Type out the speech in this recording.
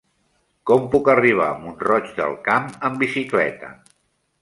Com puc arribar a Mont-roig del Camp amb bicicleta?